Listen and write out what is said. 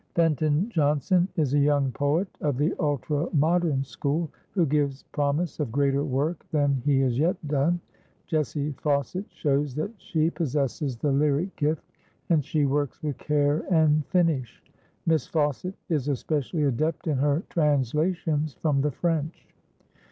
Fenton Johnson is a young poet of the ultra modern school who gives promise of greater work than he has yet done. Jessie Fauset shows that she possesses the lyric gift, and she works with care and finish. Miss Fauset is especially adept in her translations from the French.